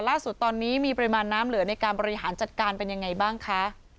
ล่าสุดตอนนี้มีปริมาณน้ำเหลือในการบริหารจัดการเป็นยังไงบ้างคะ